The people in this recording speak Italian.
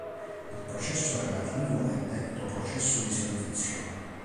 Il processo relativo è detto processo di Servizio.